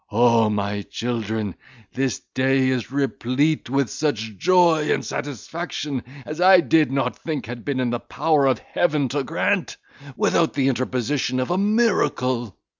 O my children! this day is replete with such joy and satisfaction, as I did not think had been in the power of Heaven to grant, without the interposition of a miracle!